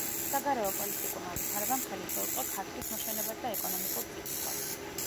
საგარეო პოლიტიკურმა ვითარებამ ხელი შეუწყო ქართლის მოშენებას და ეკონომიურ წინსვლას.